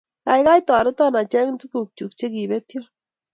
Kaikai toreton acheng' tuguk chuk chekipetyo